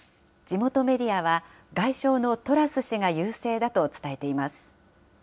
地元メディアは、外相のトラス氏が優勢だと伝えています。